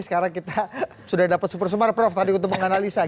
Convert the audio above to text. sekarang kita sudah dapat super sumar prof tadi untuk menganalisa